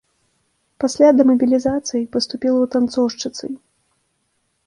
Пасля дэмабілізацыі, паступіла ў танцоўшчыцай.